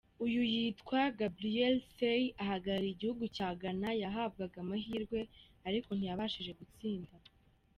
Uyu yitwa Gabriel Sey ahagarariye igihugu cya Ghana, yahabwaga amahirwe ariko ntiyabashije gutsinda.